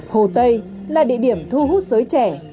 hồ tây là địa điểm thu hút giới trẻ